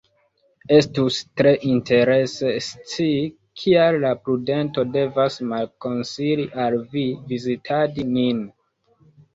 Estus tre interese scii, kial la prudento devas malkonsili al vi vizitadi nin?